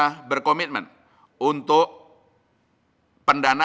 dan memperkuat kebijakan yang diperlukan untuk memperkuat kebijakan ekonomi nasional